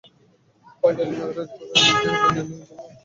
এলা আর-একবার অখিলকে কাছে টেনে নিয়ে বললে, আমার জন্যে ভাবিস নে ভাই।